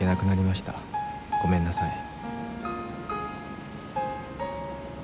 「ごめんなさい」